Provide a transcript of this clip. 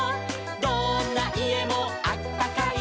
「どんないえもあったかい」